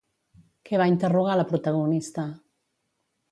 Què va interrogar la protagonista?